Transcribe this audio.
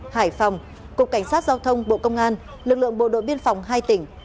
hải phòng cục cảnh sát giao thông bộ công an lực lượng bộ đội biên phòng hai tỉnh